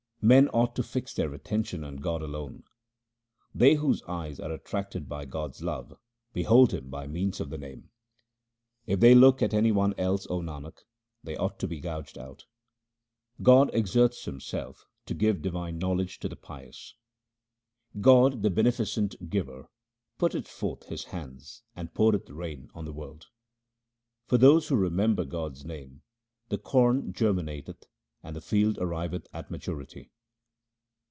Men ought to fix their attention on God alone :— They whose eyes are attracted by God's love behold Him by means of the Name : If they look at any one else, O Nanak, they ought to be gouged out. God exerts Himself to give divine knowledge to the pious :— God the Beneficent Giver putteth forth His hands and poureth rain on the world. For those who remember God's name the corn germina teth and the field arriveth at maturity.